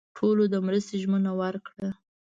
ټولو د مرستې ژمنه ورکړه.